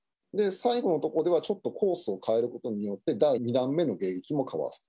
最後のところではちょっとコースを変えることによって、第２段目の迎撃もかわすと。